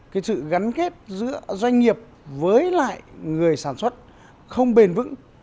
cái sự gắn kết giữa doanh nghiệp với lại người sản xuất không bền vững